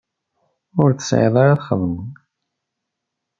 Ur tesεiḍ ara txedmeḍ?